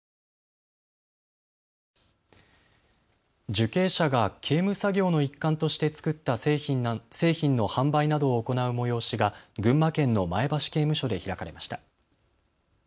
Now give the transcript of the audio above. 受刑者が刑務作業の一環として作った製品の販売などを行う催しが群馬県の前橋刑務所で開かれました。